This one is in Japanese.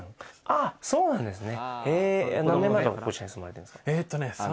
あっそうなんですね